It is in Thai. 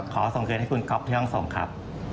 ขอส่งคืนให้คุณก๊อฟที่ห้องส่งครับ